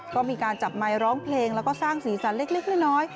ก็มีการจับไมค์ร้องเพลงแล้วก็สร้างสีสันเล็กน้อย